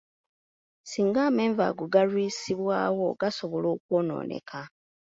Singa amenvu ago galwisibwawo, gasobola okwonooneka.